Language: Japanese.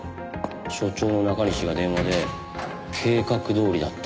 所長の中西が電話で「計画どおりだ」って。